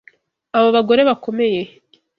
Abo bagore bakomeye.